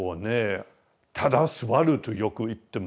ただ座るとよく言ってますね。